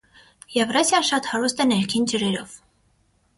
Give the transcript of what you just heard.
Եվրասիան շատ հարուստ է ներքին ջրերով։